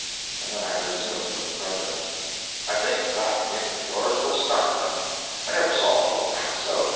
And then I resumed with the President: "I think that hint of yours will start them. I never saw people act so.